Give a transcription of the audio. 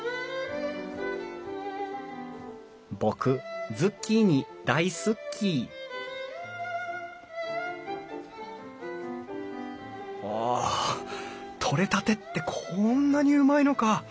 僕ズッキーニ大好っきお取れたてってこんなにうまいのか！